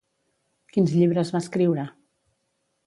Quins llibres va escriure?